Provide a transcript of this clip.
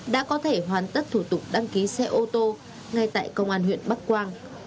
đã có thể hoàn tất thủ tục đăng ký xe ô tô ngay tại công an huyện bắc quang